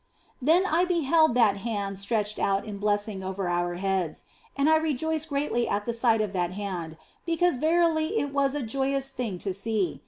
Then I beheld that Hand stretched out in blessing over our heads ; and I rejoiced greatly at the sight of that Hand, because verily it was a joyous thing to see it.